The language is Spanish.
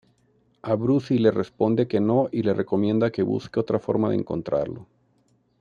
Abruzzi le responde que no y le recomienda que busque otra forma de encontrarlo.